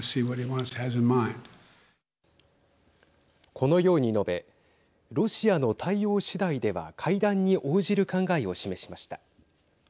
このように述べロシアの対応次第では会談に応じる考えを示しました。